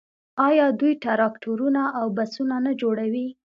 آیا دوی ټراکټورونه او بسونه نه جوړوي؟